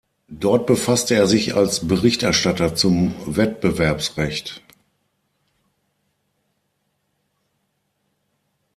Dort befasste er sich als Berichterstatter zum Wettbewerbsrecht.